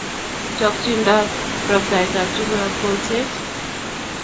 Chokchindab roptaet ab tukuk ab kolset